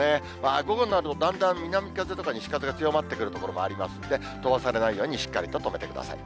午後になると、だんだん南風とか、西風が強まってくる所もありますんで、飛ばされないようにしっかりと留めてください。